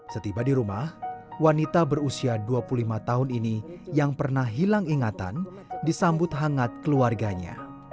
setiba di rumah wanita berusia dua puluh lima tahun ini yang pernah hilang ingatan disambut hangat keluarganya